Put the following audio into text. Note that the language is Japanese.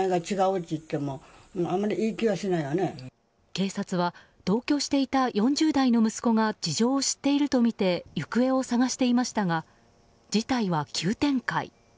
警察は同居していた４０代の息子が事情を知っているとみて行方を捜していましたが事態は急展開。